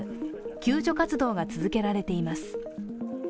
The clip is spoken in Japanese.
救助活動が続けられています。